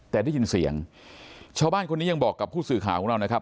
แต่ได้ยินเสียงชาวบ้านคนนี้ยังบอกกับผู้สื่อข่าวของเรานะครับ